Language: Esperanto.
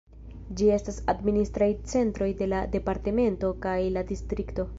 Ĝi estas administraj centroj de la departemento kaj la distrikto.